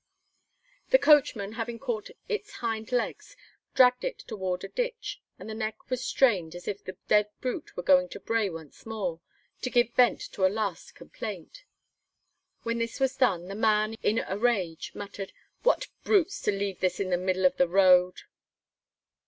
The coachman, having caught its hind legs, dragged it toward a ditch, and the neck was strained as if the dead brute were going to bray once more, to give vent to a last complaint. When this was done, the man, in a rage, muttered: "What brutes, to leave this in the middle of the road!"